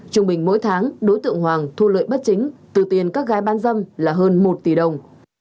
trung bình mỗi tháng đối tượng hoàng thu lợi bất chính từ tiền các gái bán dâm là hơn một tỷ đồng